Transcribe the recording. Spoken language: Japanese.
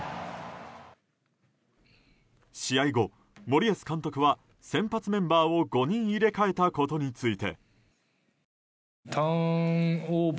試合後、森保監督は先発メンバーを５人入れ替えたことについて。